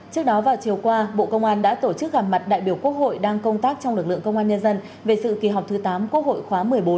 trước đó vào chiều qua bộ công an đã tổ chức gặp mặt đại biểu quốc hội đang công tác trong lực lượng công an nhân dân về sự kỳ họp thứ tám quốc hội khóa một mươi bốn